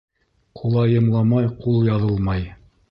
Ҡулайымламай ҡул яҙылмай.